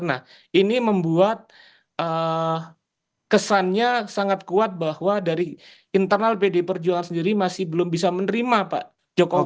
nah ini membuat kesannya sangat kuat bahwa dari internal pdi perjuangan sendiri masih belum bisa menerima pak jokowi